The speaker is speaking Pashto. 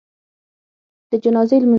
د جنازي لمونځ